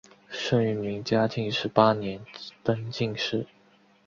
生于明嘉靖十八年登进士。